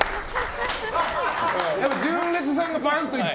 純烈さんがバンといって。